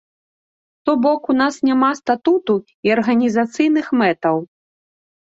То бок у нас няма статуту і арганізацыйных мэтаў.